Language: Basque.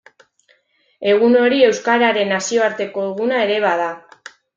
Egun hori Euskararen Nazioarteko Eguna ere bada.